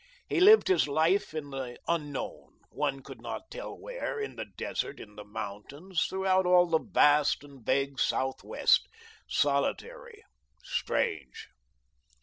He lived his life in the unknown, one could not tell where in the desert, in the mountains, throughout all the vast and vague South west, solitary, strange.